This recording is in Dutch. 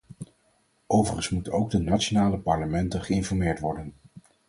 Overigens moeten ook de nationale parlementen geïnformeerd worden.